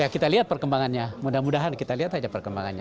kita lihat perkembangannya mudah mudahan kita lihat saja perkembangannya